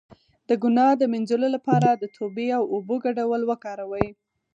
د ګناه د مینځلو لپاره د توبې او اوبو ګډول وکاروئ